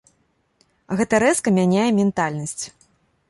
Гэта рэзка мяняе ментальнасць.